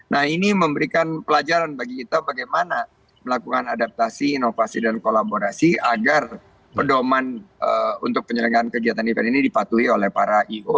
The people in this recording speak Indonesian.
nah ini memberikan pelajaran bagi kita bagaimana melakukan adaptasi inovasi dan kolaborasi agar pedoman untuk penyelenggaraan kegiatan event ini dipatuhi oleh para i o